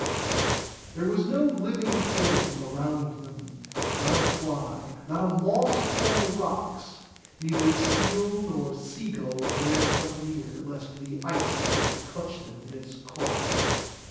There was no living thing around them, not a fly, not a moss upon the rocks. Neither seal nor sea gull dare come near, lest the ice should clutch them in its claws.